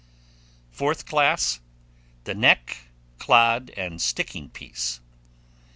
Fourth class. The neck, clod, and sticking piece (14).